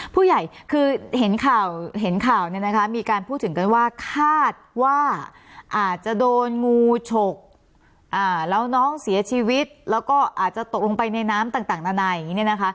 ผู้ใหญ่คือเห็นข่าวมีการพูดถึงกันว่าคาดว่าอาจจะโดนงูฉกแล้วน้องเสียชีวิตแล้วก็อาจจะตกลงไปในน้ำต่างดังไหน